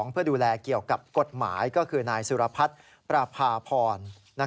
เพื่อดูแลเกี่ยวกับกฎหมายก็คือนายสุรพัฒน์ประพาพร